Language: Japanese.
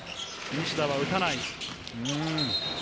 西田は打たない。